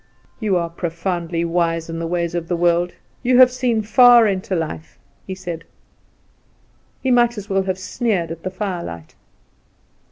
"You are profoundly wise in the ways of the world; you have seen far into life," he said. He might as well have sneered at the firelight.